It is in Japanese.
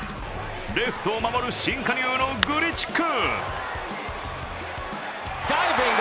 レフトを守る新加入のグリチック。